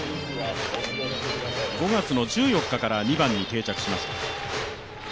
５月１４日から２番に定着しました。